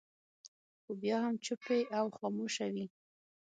خو بیا هم چوپې او خاموشه وي.